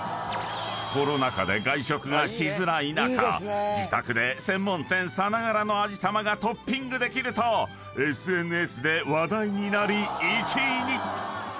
［コロナ禍で外食がしづらい中自宅で専門店さながらの味玉がトッピングできるとＳＮＳで話題になり１位に］